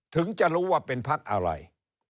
ถึงจะรู้ว่าเป็นพักอะไร